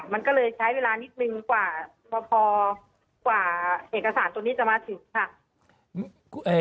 มันก็เลยใช้เวลานิดนึงกว่าพอกว่าเอกสารตัวนี้จะมาถึงค่ะ